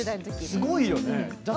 すごいよね。